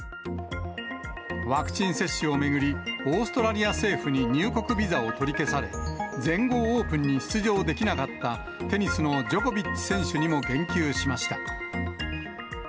ワクチン接種を巡り、オーストラリア政府に入国ビザを取り消され、全豪オープンに出場できなかったテニスのジョコビッチ選手にも言及しました。